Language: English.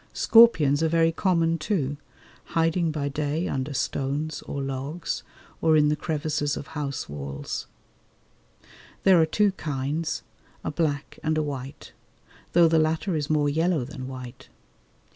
Scorpions are very common, too, hiding by day under stones or logs or in the crevices of house walls. There are two kinds, a black and a white, though the latter is more yellow than white.